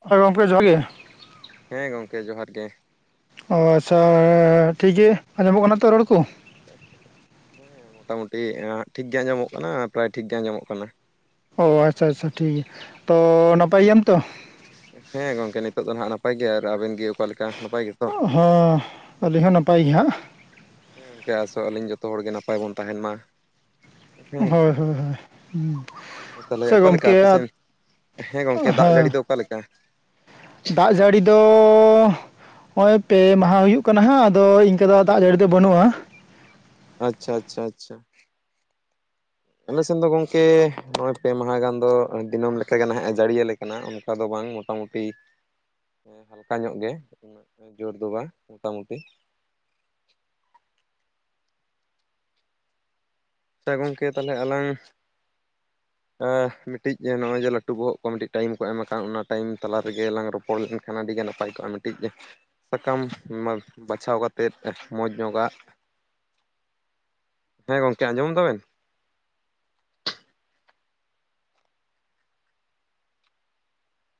ᱦᱳᱭ ᱜᱚᱢᱠᱮ ᱡᱚᱦᱟᱨ ᱜᱮ ᱦᱮᱸ ᱜᱚᱢᱠᱮ ᱡᱚᱦᱟᱨ ᱜᱮ ᱚ ᱟᱪᱪᱷᱟ ᱴᱷᱤᱠ ᱜᱮ ᱟᱸᱡᱚᱢᱚᱜ ᱠᱟᱱᱟ ᱛᱚ ᱨᱚᱲ ᱠᱚ ᱦᱮᱸ ᱢᱳᱴᱟᱢᱩᱴᱤ ᱴᱷᱤᱠ ᱜᱮ ᱟᱸᱡᱚᱢᱚᱜ ᱠᱟᱱᱟ ᱯᱨᱟᱭ ᱴᱷᱤᱠ ᱜᱮ ᱟᱸᱡᱚᱢᱚᱜ ᱠᱟᱱᱟ ᱚ ᱟᱪᱪᱷᱟ ᱟᱪᱪᱷᱟ ᱴᱷᱤᱠ ᱜᱮᱭᱟ ᱛᱚ ᱱᱟᱯᱟᱭ ᱜᱮᱭᱟᱢ ᱛᱚ ᱦᱮᱸ ᱜᱚᱢᱠᱮ ᱱᱤᱛᱚᱜ ᱫᱚ ᱦᱦᱜ ᱱᱟᱯᱟᱭ ᱜᱮᱭᱟ ᱟᱨ ᱟᱵᱮᱱ ᱜᱮ ᱚᱠᱟᱞᱮᱠᱟ ᱱᱟᱯᱟᱭ ᱜᱮᱛᱚ ᱦᱚᱸ ᱟᱹᱞᱤᱧ ᱦᱚᱸ ᱱᱟᱯᱟᱭ ᱜᱮ ᱦᱟᱸᱜ ᱦᱮᱸ ᱜᱚᱢᱠᱮ ᱟᱥᱚᱜ ᱟᱹᱞᱤᱧ ᱡᱚᱛᱚ ᱦᱚᱲᱜᱮ ᱱᱟᱯᱟᱭ ᱵᱚᱱ ᱛᱟᱦᱮᱱ ᱢᱟ ᱦᱮᱸᱸ ᱦᱳᱭ ᱦᱳᱭ ᱦᱳᱭ ᱦᱩᱸ᱾ ᱛᱟᱦᱚᱞᱮ ᱥᱮ ᱚᱠᱟ ᱞᱮᱠᱟ ᱜᱚᱢᱠᱮ ᱟᱯᱮ ᱥᱮᱱ ᱦᱮᱸ ᱜᱚᱝᱠᱮ ᱫᱟᱜ ᱡᱟᱹᱲᱤ ᱦᱮᱸ ᱫᱚ ᱚᱠᱟ ᱞᱮᱠᱟ ᱫᱟᱜ ᱡᱟᱹᱲᱤ ᱫᱚ ᱱᱚᱜᱼᱚᱭ ᱯᱮ ᱢᱟᱦᱟ ᱦᱩᱭᱩᱜ ᱠᱟᱱᱟ ᱦᱟᱸᱜ ᱟᱫᱚ ᱤᱱᱠᱟᱹ ᱫᱚ ᱫᱟᱜ ᱡᱟᱹᱲᱤ ᱫᱚ ᱵᱟᱹᱱᱩᱜᱼᱟ ᱟᱪᱪᱷᱟ ᱟᱪᱪᱷᱟ ᱟᱪᱪᱷᱟ ᱟᱞᱮ ᱥᱮᱱ ᱫᱚ ᱜᱚᱝᱠᱮ ᱱᱚᱜᱼᱚᱭ ᱯᱮ ᱢᱟᱦᱟ ᱜᱟᱱ ᱫᱚ ᱫᱤᱱᱟᱹᱢ ᱞᱮᱠᱟᱜᱮ ᱱᱟᱦᱜ ᱡᱟᱹᱲᱤᱭᱟᱹᱞᱮ ᱠᱟᱱᱟ ᱚᱱᱠᱟ ᱫᱚ ᱵᱟᱝ ᱢᱳᱴᱟᱢᱩᱴᱤ ᱦᱟᱞᱠᱟ ᱧᱚᱜ ᱜᱮ ᱩᱱᱟᱹᱜ ᱡᱳᱨ ᱫᱚ ᱵᱟᱝ ᱢᱳᱴᱟᱢᱩᱴᱤ [unintelligible] ᱥᱮ ᱜᱚᱝᱠᱮ ᱛᱟᱦᱚᱞᱮ ᱟᱞᱟᱝ ᱢᱤᱫᱴᱤᱡ ᱱᱚᱜᱼᱚᱭ ᱡᱮ ᱞᱟᱹᱴᱩ ᱵᱚᱦᱚᱜ ᱠᱚ ᱢᱤᱫᱴᱤᱡ ᱴᱟᱭᱤᱢ ᱠᱚ ᱮᱢ ᱟᱠᱟᱱ ᱚᱱᱟ ᱴᱟᱭᱤᱢ ᱛᱟᱞᱟ ᱨᱮᱜᱮ ᱞᱟᱝ ᱨᱚᱯᱚᱲ ᱞᱮᱱᱠᱷᱟᱱ ᱟᱹᱰᱤ ᱮ ᱱᱟᱯᱟᱭ ᱠᱚᱜᱼᱟ ᱢᱤᱫᱴᱤᱡ ᱥᱟᱠᱟᱢ ᱵᱟᱪᱷᱟᱣ ᱠᱟᱛᱮᱫ ᱢᱚᱡᱽ ᱧᱚᱜᱟᱜ [inaudible] ᱦᱮᱸ ᱜᱚᱝᱠᱮ ᱟᱸᱡᱚᱢ ᱫᱟᱵᱤᱱ